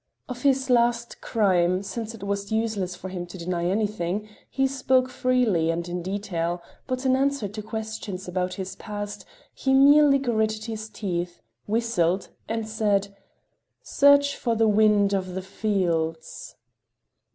Of his last crime, since it was useless for him to deny anything, he spoke freely and in detail, but in answer to questions about his past, he merely gritted his teeth, whistled, and said: "Search for the wind of the fields!"